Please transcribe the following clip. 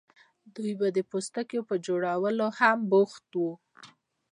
دوی به د پوستکو په جوړولو هم بوخت وو.